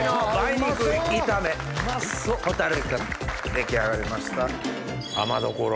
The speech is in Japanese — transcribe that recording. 出来上がりました。